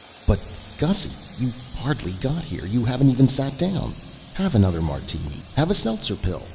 "But Gussy! You've hardly got here. You haven't even sat down. Have another martini. Have a seltzer pill.